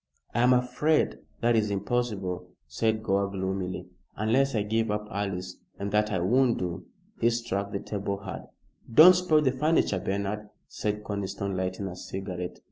"I am afraid that is impossible," said Gore, gloomily, "unless I give up Alice, and that I won't do." He struck the table hard. "Don't spoil the furniture, Bernard," said Conniston, lighting a cigarette.